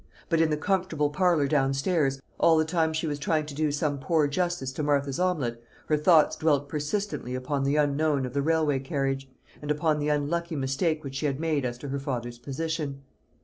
But in the comfortable parlour downstairs, all the time she was trying to do some poor justice to Martha's omelette, her thoughts dwelt persistently upon the unknown of the railway carriage, and upon the unlucky mistake which she had made as to her father's position.